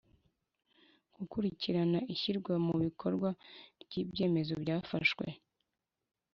Gukurikirana ishyirwamubikorwa ry’ibyemezo byafashwe